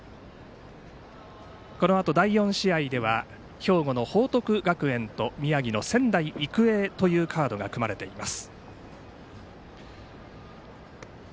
このあと第４試合では兵庫の報徳学園と宮城の仙台育英というカードが組まれています。